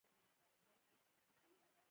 ابن بطوطه د محمد تغلق په وخت کې راغلی و.